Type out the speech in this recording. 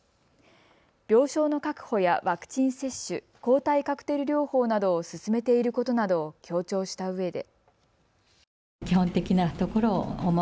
病床の確保やワクチン接種、抗体カクテル療法などを進めていることなどを強調したうえで。